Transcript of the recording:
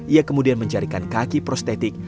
ia kemudian mencarikan kaki prostetik